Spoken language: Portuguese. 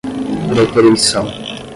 preterição